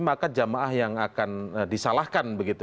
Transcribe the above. maka jamaah yang akan disalahkan begitu